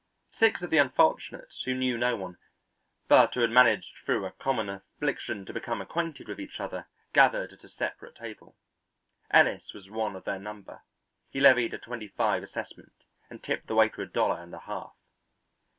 Six of the unfortunates who knew no one, but who had managed through a common affliction to become acquainted with each other, gathered at a separate table. Ellis was one of their number; he levied a twenty five assessment, and tipped the waiter a dollar and a half.